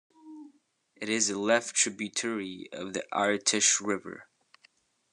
It is a left tributary of the Irtysh River.